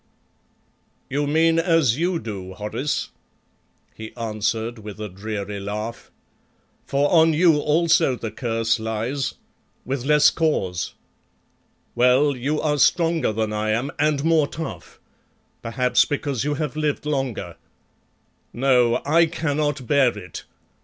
"You mean as you do, Horace," he answered with a dreary laugh, "for on you also the curse lies with less cause. Well, you are stronger than I am, and more tough; perhaps because you have lived longer. No, I cannot bear it.